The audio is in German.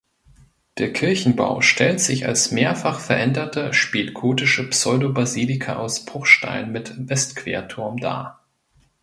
Der Kirchenbau stellt sich als mehrfach veränderte spätgotische Pseudobasilika aus Bruchstein mit Westquerturm dar.